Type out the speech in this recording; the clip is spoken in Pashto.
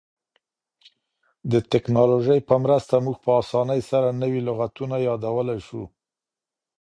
د ټکنالوژۍ په مرسته موږ په اسانۍ سره نوي لغتونه یادولای سو.